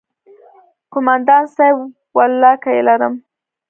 کومندان صايب ولله که يې لرم.